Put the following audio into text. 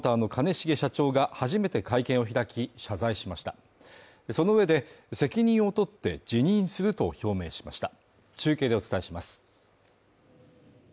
重社長が初めて会見を開き謝罪しましたそのうえで責任を取って辞任すると表明しました中継でお伝えします